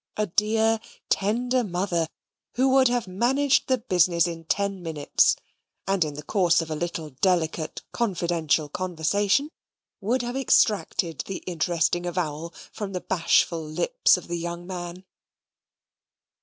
a dear, tender mother, who would have managed the business in ten minutes, and, in the course of a little delicate confidential conversation, would have extracted the interesting avowal from the bashful lips of the young man!